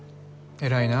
偉いなあ